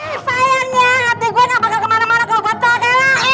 eh sayangnya hati gue gak bakal kemana mana gue buat toko ya